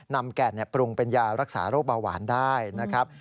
แก่นปรุงเป็นยารักษาโรคเบาหวานได้นะครับ